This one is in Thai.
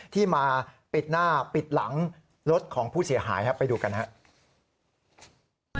ที่มาปิดหน้าปิดหลังรถของผู้เสียหายครับไปดูกันครับ